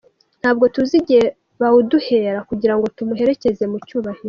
Ntabwo tuzi igihe bawuduhera kugira ngo tumuherekeze mu cyubahiro.